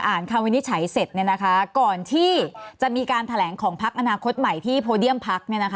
คำวินิจฉัยเสร็จก่อนที่จะมีการแถลงของพักอนาคตใหม่ที่โพเดียมพัก